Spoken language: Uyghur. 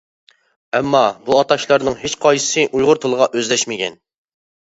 ئەمما بۇ ئاتاشلارنىڭ ھېچقايسى ئۇيغۇر تىلىغا ئۆزلەشمىگەن.